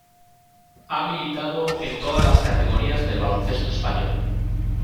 Ha militado en todas las categorías del baloncesto español.